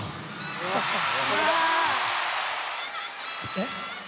えっ？